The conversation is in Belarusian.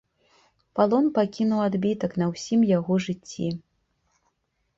Палон пакінуў адбітак на ўсім яго жыцці.